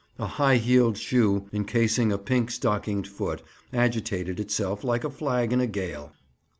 A high heeled shoe, encasing a pink stockinged foot, agitated itself like a flag in a gale.